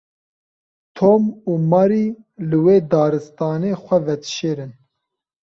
Tom û Mary li wê daristanê xwe vedişêrin.